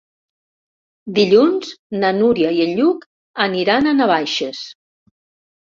Dilluns na Núria i en Lluc aniran a Navaixes.